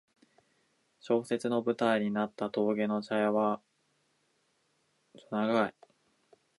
小説の舞台になった峠の茶屋は水生地・白橋のすぐ先の右側、桂の大木のあたりにあったそうです。